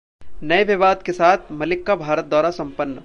नए विवाद के साथ मलिक का भारत दौरा सम्पन्न